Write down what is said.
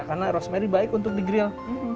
karena rosemary baik untuk di grill